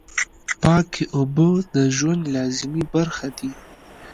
پاکې اوبه د ژوند لازمي برخه دي.